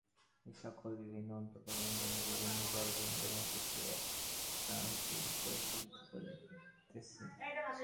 এই-সকল বিভিন্ন অন্তঃকরণ যেন বিভিন্ন জলবিন্দুর মত সেই এক সত্তাকে প্রতিফলিত করিতেছে।